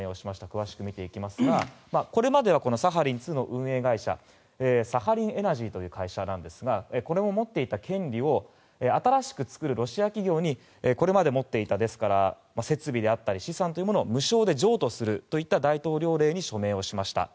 詳しく見ていきますがこれまではサハリン２の運営会社サハリンエナジーという会社ですがこれの持っていた権利を新しく作るロシア企業にこれまで持っていた、ですから施設であったり資産というものを無償で譲渡するといった大統領令に署名をしました。